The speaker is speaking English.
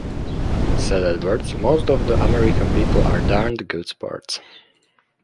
Said Edwards, Most of the American people are darned good sports.